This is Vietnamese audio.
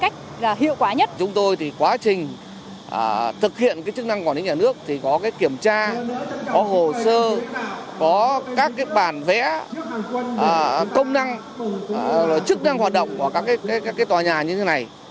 chúng tôi có các bản vẽ công năng chức năng hoạt động của các tòa nhà như thế này